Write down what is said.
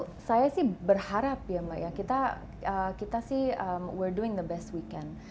itu saya sih berharap ya mbak ya kita sih we're doing the best we can